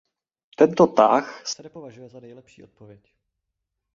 Tento tah se nepovažuje za nejlepší odpověď.